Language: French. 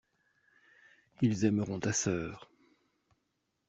Ils aimeront ta sœur.